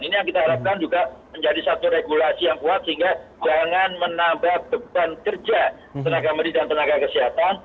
ini yang kita harapkan juga menjadi satu regulasi yang kuat sehingga jangan menambah beban kerja tenaga medis dan tenaga kesehatan